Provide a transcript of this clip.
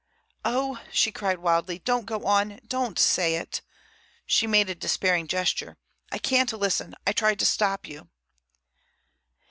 "Oh!" she cried wildly. "Don't go on! Don't say it!" She made a despairing gesture. "I can't listen. I tried to stop you."